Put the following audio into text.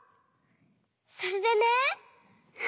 それでね。